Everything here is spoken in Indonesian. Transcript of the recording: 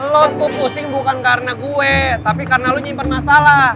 loku pusing bukan karena gue tapi karena lo nyimpen masalah